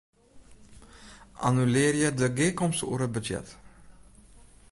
Annulearje de gearkomste oer it budzjet.